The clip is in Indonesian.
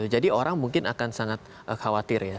jadi orang mungkin akan sangat khawatir ya